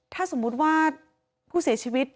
ถ้าสมมุติว่าผู้เสียชีวิต